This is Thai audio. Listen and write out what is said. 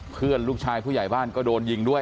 เพื่อนลูกชายผู้ใหญ่บ้านก็โดนยิงด้วย